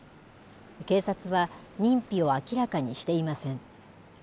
警察は認否を明らかにしていません。